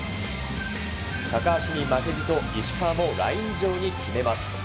高橋に負けじと石川もライン上に決めます。